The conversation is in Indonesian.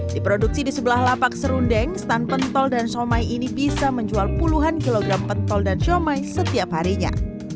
diproduksi di sebelah lapak serundeng stand pentol dan somai ini bisa menjual puluhan kilogram pentol dan shomai setiap harinya